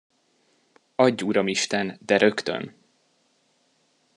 Adj Uramisten, de rögtön!